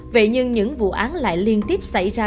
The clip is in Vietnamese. vậy nhưng những vụ án lại liên tiếp xảy ra